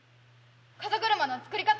風車の作り方。